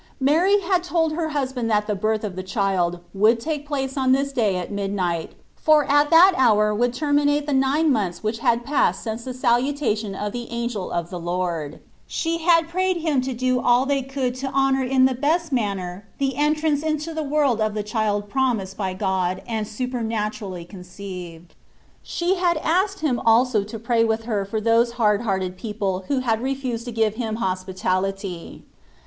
Mary had told her husband that the birth of the child would take place on this day at midnight, for at that hour would terminate the nine months which had passed since the salutation of the angel of the Lord : she had prayed him to do all they could to honour in the best manner the entrance into the world of the child promised by God and supernaturally con ur XorD Jesus Cbnst. 81 ceived. She had asked him also to pray with her for those hard hearted people who had refused to give him hospitality.